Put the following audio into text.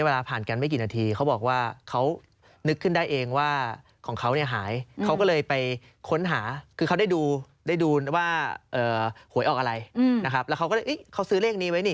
แล้วเขาก็เลยเฮ้ยเขาซื้อเลขนี้ไว้นี่